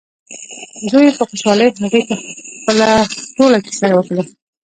زوی یې په خوشحالۍ هغې ته خپله ټوله کیسه وکړه.